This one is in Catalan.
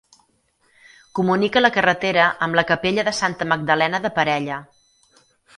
Comunica la carretera amb la capella de Santa Magdalena de Parella.